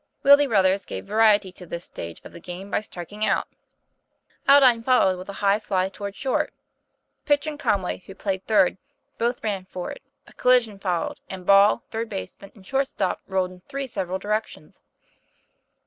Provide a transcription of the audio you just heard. Willie Ruthers gave variety to this stage of the game by striking out. Aldine followed with a high fly toward short. Pitch, and Conway, who played third, both ran for it; a collision followed, and ball, third baseman, and short stop rolled in three several directions.